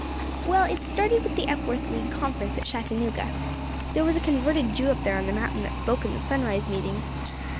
"Well, it started with the Epworth League Conference at Chattanooga. There was a converted Jew up there on the mountain that spoke in the sunrise meeting.